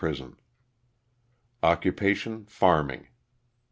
prison. Occupation, farming.